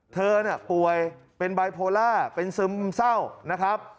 เธอเนี่ยป่วยเป็นไบโพล่าเป็นซึมเศร้านะครับ